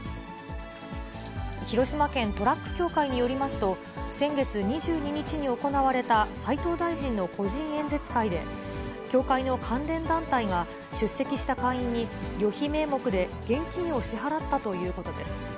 広島県トラック協会によりますと、先月２２日に行われた斉藤大臣の個人演説会で、協会の関連団体が出席した会員に、旅費名目で現金を支払ったということです。